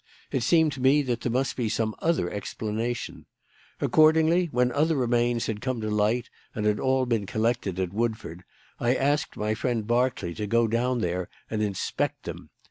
It seemed to me that there must be some other explanation. Accordingly, when other remains had come to light and all had been collected at Woodford, I asked my friend Berkeley to go down there and inspect them.